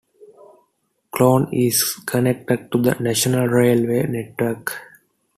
Colne is connected to the national railway network.